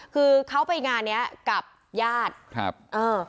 คือเขาไปงานเนี้ยกับญาติครับเออ